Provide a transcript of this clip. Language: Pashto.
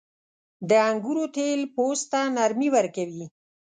• د انګورو تېل پوست ته نرمي ورکوي.